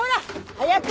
早く！